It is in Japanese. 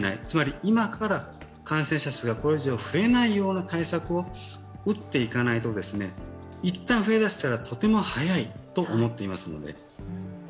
つまり今から、感染者数がこれ以上増えないような対策を打っていかないと、一旦増え出したらとても速いと思っていますので。